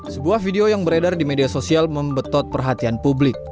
sebuah video yang beredar di media sosial membetot perhatian publik